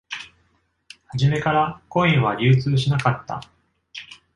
初めから、コインは流通しなかった。